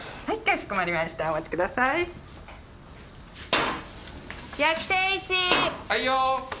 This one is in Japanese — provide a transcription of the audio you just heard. はいよ！